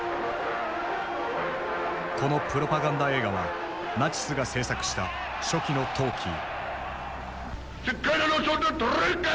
このプロパガンダ映画はナチスが製作した初期のトーキー。